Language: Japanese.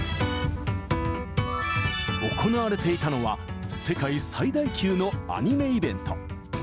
行われていたのは、世界最大級のアニメイベント。